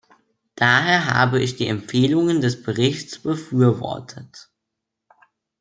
Daher habe ich die Empfehlungen des Berichts befürwortet.